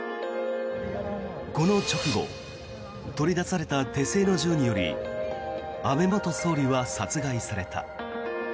この直後取り出された手製の銃により安倍元総理は殺害された。